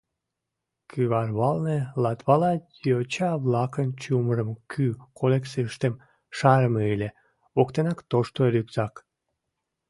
Кӱварвалне Латвала йоча-влакын чумырымо кӱ коллекцийыштым шарыме ыле, воктенак тошто рюкзак.